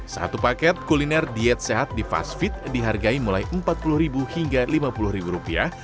satu paket kuliner diet sehat di fast feet dihargai mulai empat puluh hingga lima puluh rupiah